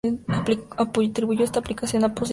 Atribuyó esta explicación a Posidonio.